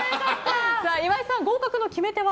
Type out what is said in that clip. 岩井さん、合格の決め手は？